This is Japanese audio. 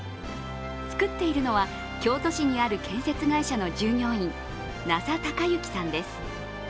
作っているのは京都市にある建設会社の従業員奈佐貴之さんです。